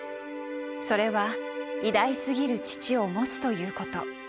それは偉大すぎる父を持つということ。